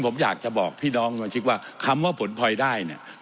ผมอยากจะบอกพี่น้องสมาชิกว่าคำว่าผลพลอยได้เนี่ย